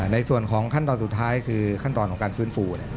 ในส่วนของขั้นตอนสุดท้ายคือขั้นตอนของการฟื้นฟู